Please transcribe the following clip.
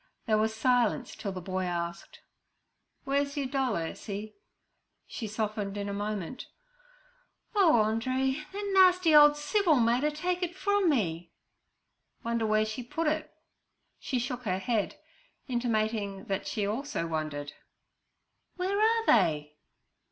There was silence till the boy asked: 'Where's your doll, Ursie?' She softened in a moment. 'Oh, Andree, that nasty ole Civil made er take it from me.' 'Wonder where she put it.' She shook her head, intimating that she also wondered. 'Where are they?'